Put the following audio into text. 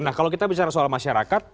nah kalau kita bicara soal masyarakat